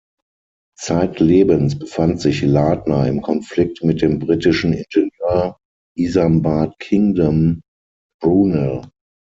Zeitlebens befand sich Lardner im Konflikt mit dem britischen Ingenieur Isambard Kingdom Brunel.